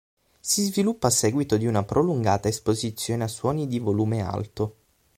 Si sviluppa a seguito di una prolungata esposizione a suoni di volume alto.